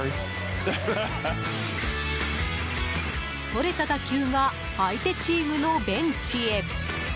それた打球が相手チームのベンチへ。